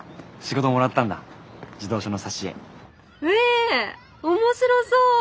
え面白そう！